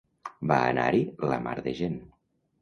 Va anar-hi la mar de gent.